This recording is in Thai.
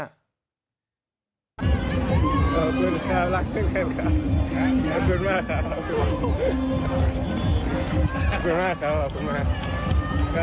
ขอบคุณค่ะรับช่วยแค่ผมค่ะ